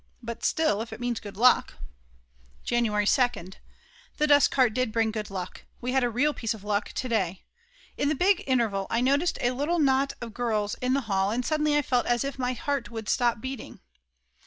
But still, if it means good luck! January 2nd. The dust cart did bring good luck. We had a real piece of luck to day! In the big interval I noticed a little knot of girls in the hall, and suddenly I felt as if my heart would stop beating.